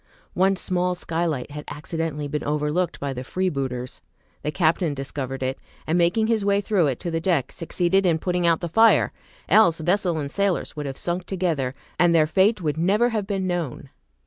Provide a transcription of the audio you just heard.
One small skylight had accidentally been overlooked by the freebooters. The captain discovered it, and making his way through it to the deck, succeeded in putting out the fire, else vessel and sailors would have sunk together, and their fate would never have been known.